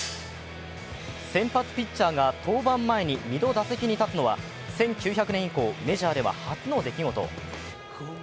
先発ピッチャーが登板前に２度、打席に立つのは１９００年以降、メジャーでは初の出来事。